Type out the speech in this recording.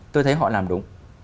tôi thấy họ làm đúng